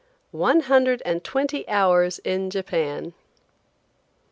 ONE HUNDRED AND TWENTY HOURS IN JAPAN.